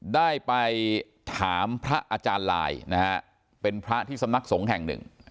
ได้ไปถามพระอาจารย์ลายนะฮะเป็นพระที่สำนักสงฆ์แห่งหนึ่ง